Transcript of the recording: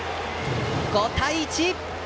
５対１！